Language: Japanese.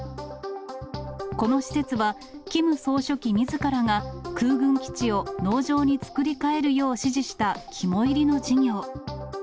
この施設は、キム総書記みずからが、空軍基地を農場に作り替えるよう指示した肝煎りの事業。